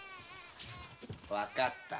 分かった。